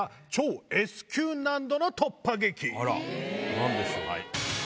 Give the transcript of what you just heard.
何でしょう？